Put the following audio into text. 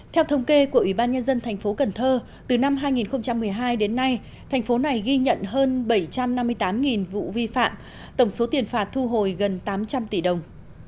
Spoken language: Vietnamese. theo thống kê của ủy ban nhân dân thành phố cần thơ từ năm hai nghìn một mươi hai đến nay thành phố này ghi nhận hơn bảy trăm năm mươi tám vụ vi phạm tổng số tiền phạt thu hồi gần tám trăm linh tỷ đồng